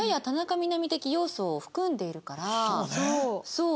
そう。